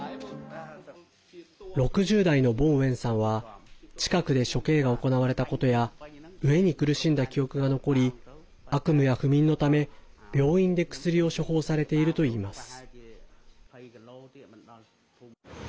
６０代のボン・ウェンさんは近くで処刑が行われたことや飢えに苦しんだ記憶が残り悪夢や不眠のため、病院で薬を処方されているといいます。